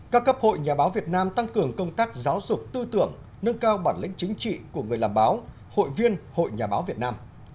các cấp hội nhà báo việt nam tăng cường công tác giáo dục tư tưởng nâng cao bản lĩnh chính trị của người làm báo hội viên hội nhà báo việt nam